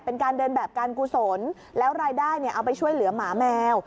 เป็นการเดินแบบการกุศลแล้วรายได้เอาไปช่วยเหลือหมาแมว